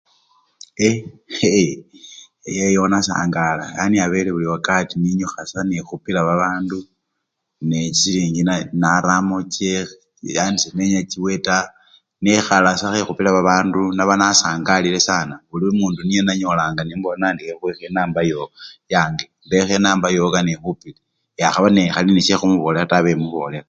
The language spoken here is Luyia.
E! hee! eyeyo nasangala, yana abele buli wakati ninyukha sanekhupila babandu nechisilingi na! naramo che che yani senenya chiwe taa, nekhala sa khekhupila babandu, naba nasangalile sana buli omundu niye nanyolanga nemubolela nandi ekhuwekho enamba yowo! yange, mbekho enamba yowo kene ekhupile yakhaba nekhali nesyekhumubolela tawe abe mubolela.